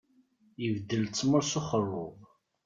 Ibeddel ttmeṛ s uxerrub.